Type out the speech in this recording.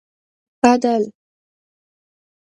عدل